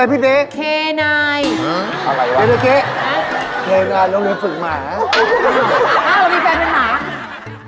แล้วนี่ส่างวักขวัญ